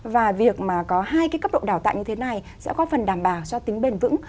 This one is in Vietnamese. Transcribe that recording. và việc mà có hai cái cấp độ đào tạo như thế này sẽ góp phần đảm bảo cho tính bền vững